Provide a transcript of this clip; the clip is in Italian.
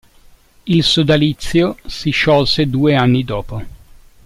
Il sodalizio si sciolse due anni dopo.